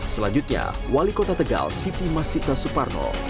selanjutnya wali kota tegal siti mas sita suparno